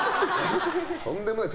とんでもない。